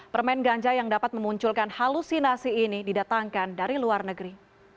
permen ganja yang dapat memunculkan halusinasi ini didatangkan dari luar negeri